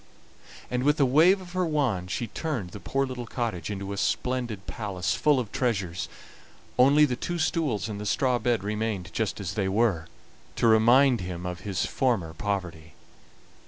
And with a wave of her wand she turned the poor little cottage into a splendid palace, full of treasures; only the two stools and the straw bed remained just as they were, to remind him of his former poverty.